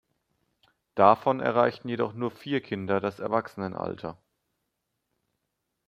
Davon erreichten jedoch nur vier Kinder das Erwachsenenalter.